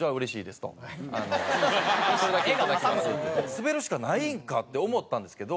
滑るしかないんかって思ったんですけど